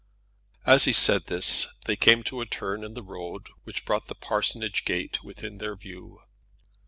As he said this they came to a turn in the road which brought the parsonage gate within their view.